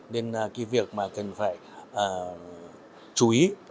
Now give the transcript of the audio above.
nên việc cần phải chú ý